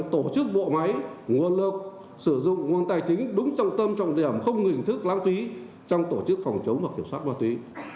tổ chức bộ máy nguồn lực sử dụng nguồn tài chính đúng trọng tâm trọng điểm không hình thức lãng phí trong tổ chức phòng chống và kiểm soát ma túy